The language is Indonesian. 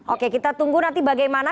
oke kita tunggu nanti bagaimana